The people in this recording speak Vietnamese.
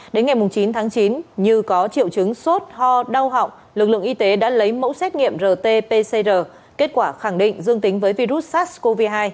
đến ngày chín tháng chín như có triệu chứng sốt ho đau họng lực lượng y tế đã lấy mẫu xét nghiệm rt pcr kết quả khẳng định dương tính với virus sars cov hai